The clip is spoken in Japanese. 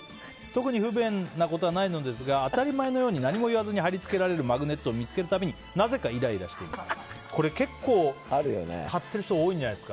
特に不便なことはないのですが当たり前のように何も言わずに貼り付けられるマグネットを見つける度になぜかイライラします。